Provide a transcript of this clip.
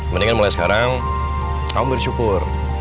mendingan mulai sekarang kamu bersyukur